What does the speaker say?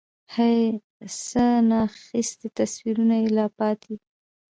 هَی؛ څه نا اخیستي تصویرونه یې لا پاتې دي